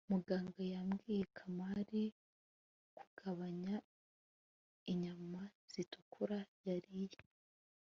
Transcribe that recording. muganga yabwiye kamali kugabanya inyama zitukura yariye